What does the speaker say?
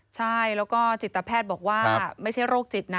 ใช่แล้วก็จิตแพทย์บอกว่าไม่ใช่โรคจิตนะ